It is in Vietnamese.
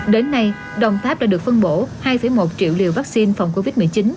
đến nay đồng tháp đã được phân bổ hai một triệu liều vắc xin phòng covid một mươi chín